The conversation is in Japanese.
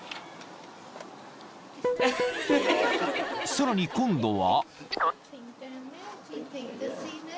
［さらに今度は］